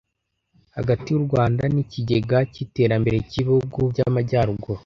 hagati y u rwanda n ikigega cy iterambere cy ibihugu by amajyaruguru